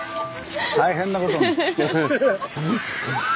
大変なことに。